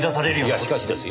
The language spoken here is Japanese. いやしかしですよ